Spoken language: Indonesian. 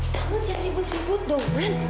kamu jangan ribut ribut dong